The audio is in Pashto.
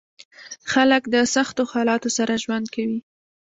خلک د سختو حالاتو سره ژوند کوي.